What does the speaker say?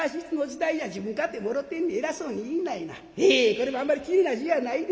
これもあんまりきれいな字やないで。